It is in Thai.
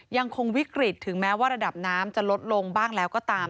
ยังคงวิกฤตถึงแม้ว่าระดับน้ำจะลดลงบ้างแล้วก็ตาม